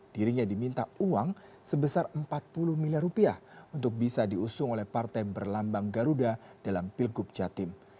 dirinya diminta uang sebesar empat puluh miliar rupiah untuk bisa diusung oleh partai berlambang garuda dalam pilgub jatim